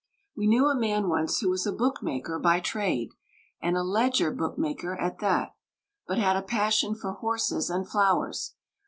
We knew a man once who was a bookmaker by trade and a Leger bookmaker at that but had a passion for horses and flowers.